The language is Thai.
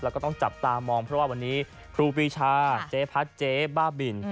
แล้วก็ต้องจับตามองเพราะว่าวันนี้ครูปีชาเจ๊พัดเจ๊บ้าบิน